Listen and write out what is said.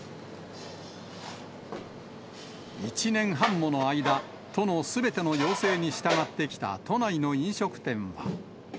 １年半もの間、都のすべての要請に従ってきた都内の飲食店は。